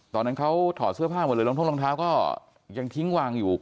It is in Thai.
ตอนนั้นเขาถอดเสื้อผ้าหมดเลยรองท้องรองเท้าก็ยังทิ้งวางอยู่